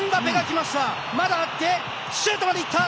まだあって、シュートまでいった。